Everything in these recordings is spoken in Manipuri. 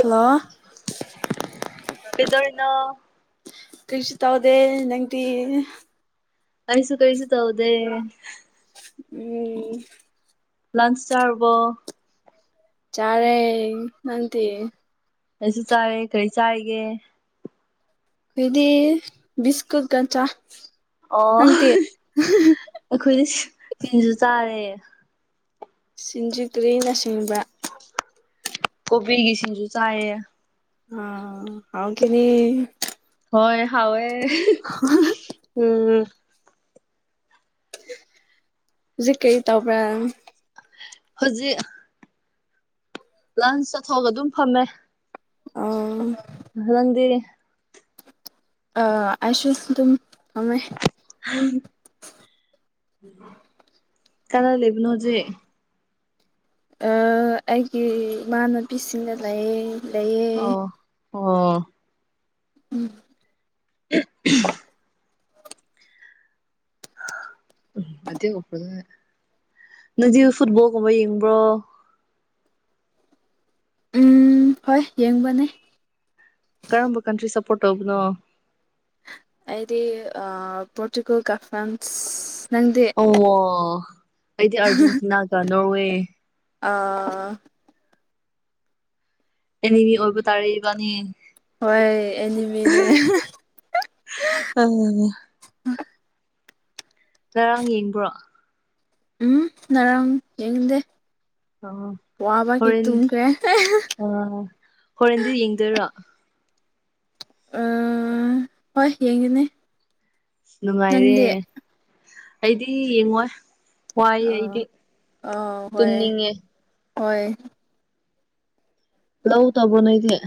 ꯍꯜꯂꯣ ꯀꯗꯔꯅ ꯀꯔꯤꯁꯨ ꯇꯧꯗꯦ ꯅꯪꯗꯤ ꯑꯔꯤꯁꯨ ꯀꯩꯁꯨ ꯇꯧꯗꯦ ꯎꯝ ꯂꯟꯁ ꯇꯔꯔꯕꯣ ꯆꯥꯔꯦ ꯅꯇ ꯀꯁꯨ ꯆꯥꯦ ꯀꯔꯤ ꯆꯥꯥꯏꯒꯦ ꯏꯗꯤ ꯁꯀꯨꯠ ꯀꯆꯥ ꯑꯣ ꯑꯩꯈꯣꯏꯗꯤ ꯆꯤꯟꯁꯨ ꯆꯥꯔꯦ ꯁꯤꯟꯖꯨ ꯀ꯭ꯔꯤꯅꯆꯤꯡꯕ ꯀꯣꯕꯤꯒꯤꯁꯤꯡꯁꯨ ꯆꯥꯏꯌꯦ ꯑ ꯍꯥꯎ ꯀꯅꯤ ꯍꯣꯏ ꯍꯋꯋꯦ ꯎꯝ ꯍꯧꯖꯤꯛ ꯀꯩꯔꯤ ꯇꯕ꯭ꯔ ꯍꯧꯖꯤꯛ ꯂꯟꯁ ꯆꯠꯊꯣꯛꯑꯒ ꯑꯗꯨꯝ ꯐꯝꯃꯦ ꯑꯣ ꯅꯪꯪꯗꯤ ꯑ ꯑꯁꯁꯨ ꯊꯥꯏ ꯀꯅꯥ ꯂꯩꯕꯅꯣ ꯍꯧꯖꯤꯛ ꯑꯩꯒꯤ ꯏꯃꯥꯟꯅꯕꯤꯁꯤꯡꯅ ꯂꯩ ꯂꯩꯌꯦ ꯑꯣ ꯑꯣ ꯎꯝ [inaudible] ꯎꯝ ꯑꯗꯨ ꯑꯣꯏꯄꯗ ꯅꯪꯗꯤ ꯐꯨꯠꯕꯣꯜꯒꯨꯝꯕ ꯌꯦꯡꯕ꯭ꯔꯣ ꯎꯝ ꯍꯣꯏ ꯌꯦꯡꯕꯅꯦ ꯀꯔꯝꯕ ꯀꯟꯇ꯭ꯔꯤ ꯁꯞꯄꯣꯔꯠ ꯇꯧꯕꯅꯣ ꯍꯥꯏꯗꯤ ꯄꯣꯔꯇꯨꯒꯦꯜ ꯀ ꯐ꯭ꯔꯥꯟꯁ ꯅꯪꯗꯤ ꯑꯣ ꯑꯩꯗꯤ ꯑꯔꯖꯦꯟꯇꯤꯅꯥꯒ ꯅꯣꯔꯋꯦ ꯑꯥ ꯑꯦꯅꯦꯃꯤ ꯑꯣꯏꯕ ꯇꯥꯔꯦꯕꯅꯤ ꯍꯣꯏ ꯑꯦꯅꯤꯃꯤꯅꯦ ꯑꯥ ꯉꯔꯥꯡ ꯌꯦꯡꯕ꯭ꯔꯣ ꯎꯝ ꯉꯔꯥꯡ ꯌꯦꯡꯗꯦ ꯑꯣ ꯋꯥꯕ ꯀꯦ ꯍꯣꯔꯦꯟ ꯇꯈꯦ ꯑ ꯍꯣꯔꯦꯟꯗꯤ ꯌꯦꯡꯗꯣꯏꯔꯣ ꯑ ꯍꯣꯏ ꯌꯦꯡꯒꯅꯦ ꯅꯨꯡꯉꯥꯏꯔꯦ ꯑꯩꯗꯤ ꯌꯦꯡꯉꯣꯏ ꯋꯥꯏꯌꯦ ꯑꯥ ꯑꯩꯗꯤ ꯑꯥ ꯍꯣꯏ ꯇꯨꯝꯅꯤꯡꯉꯦ ꯍꯣꯏ ꯂꯎ ꯇꯕꯣ ꯅꯩꯗ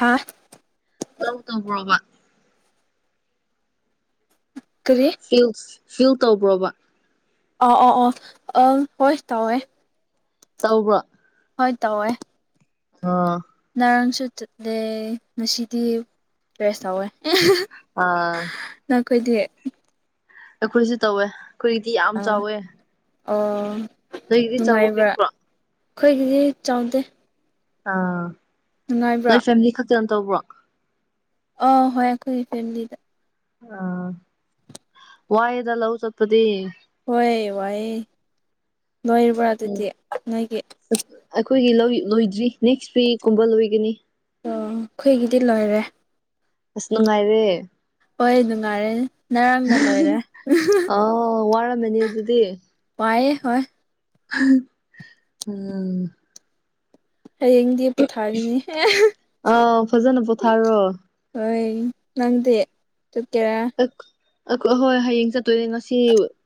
ꯍꯥ ꯑꯗꯨꯧ ꯇꯧꯕ꯭ꯔꯣꯕ ꯀꯔꯤ ꯐꯤꯜ ꯐꯤꯜ ꯇꯧꯕ꯭ꯔꯣꯕ ꯑ ꯑ ꯑ ꯑꯪ ꯍꯣꯏ ꯇꯧꯋꯦ ꯇꯧꯕ꯭ꯔꯣ ꯍꯣꯏ ꯇꯧꯋꯦ ꯑ ꯉꯔꯥꯡꯁꯨ ꯆꯠꯂꯦ ꯉꯁꯤꯗꯤ ꯄ꯭ꯔꯦꯁ ꯇꯧꯋꯦ ꯑꯥ ꯑꯩꯈꯣꯏꯗꯤ ꯑꯩꯈꯣꯏꯁꯨ ꯇꯧꯋꯦ ꯑꯩꯈꯣꯏꯗꯤ ꯌꯥꯝ ꯑꯥ ꯆꯥꯎꯋꯦ ꯑꯣ ꯑꯩꯗꯤ ꯆꯥꯎꯥꯕ ꯅꯨꯡꯉꯥꯏꯕ꯭ꯔꯥ ꯄꯤꯛꯄ꯭ꯔꯣ ꯑꯩꯈꯣꯏꯒꯤꯗꯤ ꯆꯥꯎꯗꯦ ꯑꯥ ꯅꯨꯡꯉꯥꯏꯕ꯭ꯔꯥ ꯈꯤꯇ ꯇꯧꯕ꯭ꯔꯣ ꯑ ꯍꯣꯏ ꯑꯩꯈꯣꯏꯒꯤ ꯐꯦꯝꯗꯤꯗ ꯑ ꯋꯥꯏꯗ ꯂ ꯆꯠꯄꯗꯤ ꯍꯣꯏ ꯋꯥꯏꯦ ꯂꯣꯏꯔꯕ꯭ꯔꯥ ꯎꯝ ꯑꯗꯨꯗꯤ ꯅꯣꯏꯒꯤ ꯑꯩꯈꯣꯏꯒꯤ ꯂꯣꯏꯗ꯭ꯔꯤ ꯅꯦꯛꯁ ꯋꯤꯀꯨꯝꯕ ꯂꯣꯏꯒꯅꯤ ꯑꯣ ꯑꯩꯈꯣꯏꯒꯤꯗꯤ ꯂꯣꯏꯔꯦ ꯑꯁꯅꯉꯥꯏꯥꯏꯗꯦ ꯍꯣꯏ ꯅꯨꯡꯉꯥꯏꯔꯦ ꯅꯔꯪꯅ ꯂꯣꯏꯔꯦ ꯑꯥꯎ ꯋꯥꯔꯝꯃꯅꯤ ꯑꯗꯨꯗꯤ ꯋꯥꯏꯑ ꯍꯣꯏ ꯎꯝ ꯍꯌꯦꯡꯗꯤ ꯄꯣꯊꯥꯔꯤꯅꯤꯦ ꯑꯥꯎ ꯐꯖꯅ ꯄꯣꯊꯥꯔꯣ ꯍꯣꯏ ꯎ ꯅꯪꯗꯦ ꯆꯠ ꯀꯦꯔ ꯑꯍꯣꯏ ꯍꯌꯦꯡ ꯆꯠꯇꯣꯏꯅꯦ ꯉꯁꯤ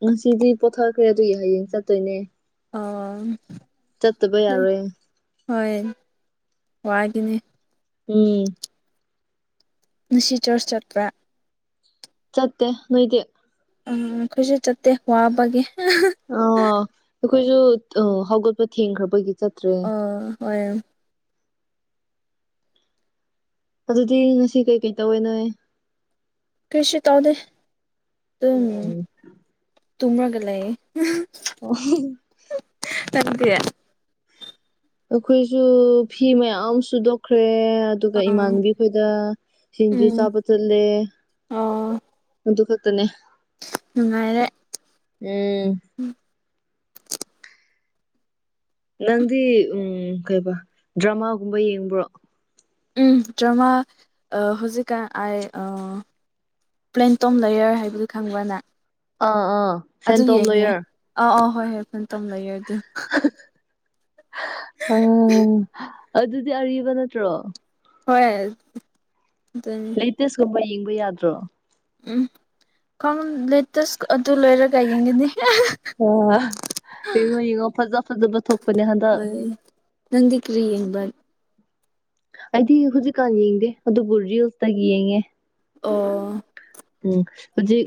ꯉꯁꯤꯗꯤ ꯄꯣꯊꯈ꯭ꯔꯦ ꯑꯗꯨꯒꯤ ꯍꯌꯦꯡ ꯆꯠꯇꯣꯏꯅꯦ ꯑꯥ ꯆꯠꯠꯇꯕ ꯌꯥꯔꯣꯏꯦ ꯍꯣꯏ ꯋꯥꯒꯤꯅꯦ ꯎꯝ ꯉꯁꯤ ꯆꯔꯆ ꯆꯠꯄ꯭ꯔꯥ ꯆꯠꯇꯦ ꯅꯣꯏꯗꯤ ꯎꯝ ꯑꯩꯣꯏꯠꯁꯨꯠ ꯆꯠꯇꯦ ꯋꯥꯕꯒꯤ ꯑ ꯑꯩꯈꯣꯏꯁꯨ ꯍꯧꯒꯠꯄ ꯊꯦꯡꯈ꯭ꯔꯕꯒꯤ ꯆꯠꯇ꯭ꯔꯦ ꯑꯣ ꯍꯣꯏ ꯑꯗꯨꯗꯤ ꯉꯁꯤ ꯀꯩꯀꯩ ꯇꯧꯋꯦꯅꯣ ꯀꯁꯤꯤ ꯇꯧꯗꯦ ꯑꯣ ꯇꯨꯝꯃ꯭ꯔꯒ ꯂꯩꯌꯦ ꯅꯪꯗꯤ ꯑꯣ ꯑꯥ ꯑꯩꯈꯣꯏꯁꯨ ꯐꯤ ꯃꯌꯥꯝ ꯁꯨꯗꯣꯛꯈ꯭ꯔꯦ ꯑꯗꯨꯒ ꯎꯝ ꯏꯃꯥꯟꯅꯕꯤ ꯑꯩꯈꯣꯏꯗ ꯁꯤꯡꯖꯨ ꯆꯥꯕ ꯆꯠꯂꯦ ꯑꯗꯨ ꯈꯛ ꯎꯉꯥꯏꯔꯦ ꯎꯝ ꯅꯪꯗꯤ ꯎꯝ ꯀꯩꯕ ꯗ꯭ꯔꯃꯥꯒꯨꯝꯕ ꯌꯦꯡꯕ꯭ꯔꯣ ꯎꯝ ꯗ꯭ꯔꯃꯥ ꯍꯧꯖꯤꯛꯀꯥꯟ ꯑꯩ ꯄ꯭ꯂꯦꯟꯇꯣꯝ ꯂꯌꯔ ꯍꯥꯏꯕꯗꯨ ꯈꯪꯕꯅ ꯑꯥ ꯑꯥ ꯁꯦꯟ ꯇꯣꯝ ꯂꯣꯣꯌꯔ ꯑꯥ ꯑꯥ ꯍꯣꯏ ꯍꯣꯏ ꯐꯅ ꯇꯧꯝ ꯂꯩꯑꯦ ꯑ ꯑꯗꯨꯗꯤ ꯑꯔꯤꯕ ꯅꯠꯇ꯭ꯔꯣ ꯍꯣꯏ ꯑꯗꯨꯅꯤ ꯂꯦꯇꯦꯁꯀꯨꯝꯕ ꯌꯦꯡꯕ ꯌꯥꯗ꯭ꯔꯣ ꯎꯝ ꯀꯃ ꯂꯩꯦ ꯇꯁ ꯑꯗꯨ ꯂꯣꯏꯔꯒ ꯌꯦꯡꯒꯅꯤ ꯑꯥ ꯌꯦꯡꯉꯣ ꯌꯦꯡꯉꯣ ꯐꯖ ꯐꯖꯕ ꯊꯣꯛꯄꯅꯦ ꯍꯟꯗꯛ ꯑ ꯅꯗꯤ ꯀ꯭ꯔꯤ ꯌꯦꯕꯠ ꯑꯩꯗꯤ ꯍꯧꯖꯤꯛꯀꯥꯟ ꯌꯦꯡꯗꯦ ꯑꯗꯨ ꯕꯨꯨꯔꯖꯤ ꯍꯜꯁꯇ ꯌꯦꯡꯉꯦ ꯑꯣ ꯎ ꯍꯧꯖꯤꯛ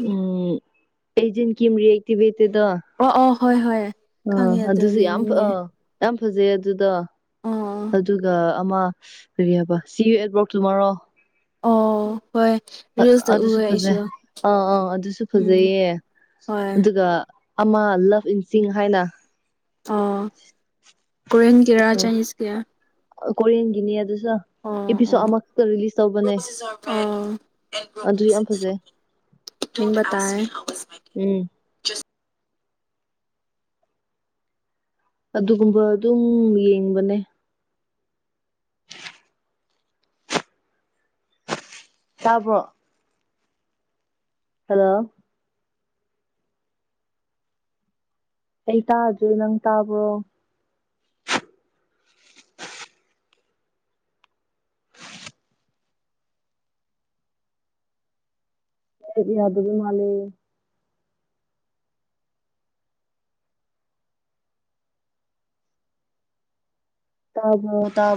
ꯎꯝꯦꯟ ꯑꯗꯨꯗꯣ ꯑꯣ ꯑꯣ ꯍꯣꯏ ꯍꯣꯏ ꯑꯥ ꯈꯪꯉꯦ ꯑꯗꯣ ꯑꯗꯨꯁꯨ ꯌꯥꯝ ꯌꯦꯡꯅꯤꯡꯉꯦ ꯑꯥ ꯌꯥꯝ ꯐꯖꯩ ꯑꯗꯨꯗ ꯑꯣ ꯑꯗꯨꯒ ꯑꯃ ꯀꯔꯤ ꯍꯥꯏꯕ ꯁꯤ ꯑꯦꯠꯕꯣꯔꯇꯨꯃꯔꯣ ꯑꯣ ꯍꯣꯏ ꯔꯤꯜꯁꯇ ꯑꯗꯨꯁꯨ ꯎꯋꯦ ꯐꯖꯩ ꯑꯩꯁꯨ ꯑꯥ ꯑꯥ ꯑꯗꯨꯁꯨ ꯎꯝ ꯐꯖꯩꯌꯦ ꯍꯣꯏ ꯑꯗꯨꯒ ꯑꯃ ꯂꯞ ꯏꯟꯁꯤꯡ ꯍꯥꯏꯅ ꯀ ꯀꯣꯔꯦꯟ ꯀꯌꯥꯔꯥ ꯆꯥꯏꯅꯤꯖ ꯀ ꯀꯣꯔꯤꯌꯟꯒꯤꯅꯤ ꯑꯗꯨꯁꯨ ꯑꯦꯄꯤꯁꯣꯠ ꯑꯣ ꯑꯃꯈꯛꯇ ꯔꯤꯂꯤꯁ ꯇꯧꯕꯅꯦ ꯑꯣ ꯑꯗꯨ ꯌꯥꯝ ꯐꯖꯩ ꯊꯝꯇꯥꯏ ꯎꯝ ꯑꯗꯨꯒꯨꯝꯕ ꯑꯗꯨꯝ ꯌꯦꯡꯕꯅꯦ ꯇꯥꯕꯣ ꯍꯜꯂꯣ ꯑꯩ ꯇꯥꯗ꯭ꯔꯦ ꯅꯪ ꯇꯥꯕ꯭ꯔꯣ ꯗꯤ ꯌꯥ ꯑꯗꯨ ꯑꯗꯨ ꯃꯥꯂꯦ ꯇꯥꯕꯣ ꯇ